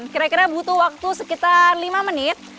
kira kira butuh waktu sekitar lima menit